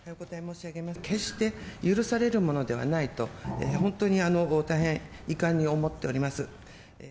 決して許されるものではないと、本当に大変遺憾に思っております。